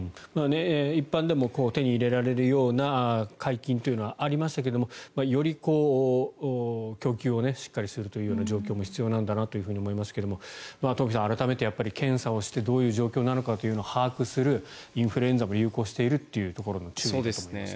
一般でも手に入れられるような解禁というのはありましたけどより供給をしっかりするという状況も必要なんだなと思いますが東輝さん、改めて検査をしてどういう状況なのかを把握するインフルエンザも流行しているというところも注意だと思いますが。